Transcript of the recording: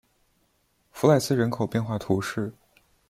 弗赖斯人口变化图示